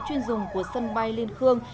chuyên dùng của sân bay liên khương